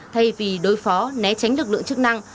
thay vì đối phó né tránh lực lượng chức năng